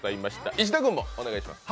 石田君、お願いします。